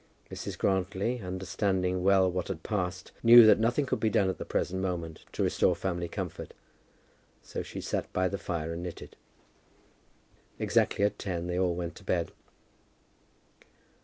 Mrs. Grantly, understanding well what had passed, knew that nothing could be done at the present moment to restore family comfort; so she sat by the fire and knitted. Exactly at ten they all went to bed.